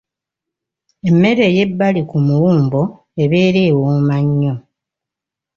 Emmere ey'ebbali ku muwumbo ebeera wooma nnyo.